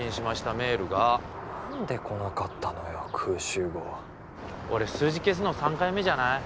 メールが何で来なかったのよクウシュウゴウ俺数字消すの３回目じゃない？